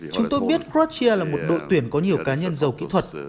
chúng tôi biết gratia là một đội tuyển có nhiều cá nhân giàu kỹ thuật